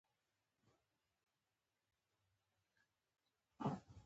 او بالاخره د وژلو یې.